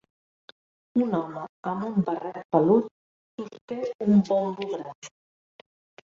Un home amb un barret pelut sosté un bombo gran.